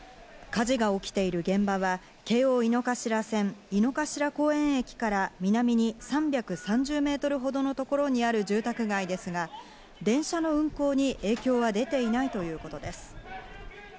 火事が起きている現場は京王井の頭線・井の頭公園駅から南に３３０メートルほどのところにある住宅街ですが、電車の運行に影響は出ていないということです。